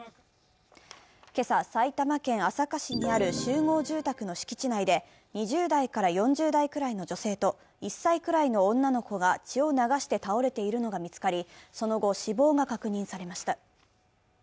今朝埼玉県朝霞市にある集合住宅の敷地内で、２０代から４０代くらいの女性と１歳くらいの女の子が血を流して倒れているのが見つかりその後、死亡が確認されました。